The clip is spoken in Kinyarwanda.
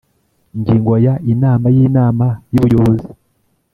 Ingingo ya Inama y inama y ubuyobozi